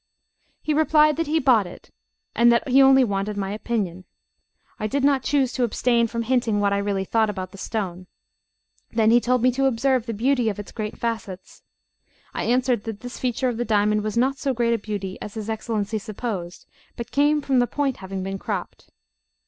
He replied that he bought it, and that he only wanted my opinion. I did not choose to abstain from hinting what I really thought about the stone. Then he told me to observe the beauty of its great facets. I answered that this feature of the diamond was not so great a beauty as his Excellency supposed, but came from the point having been cropped.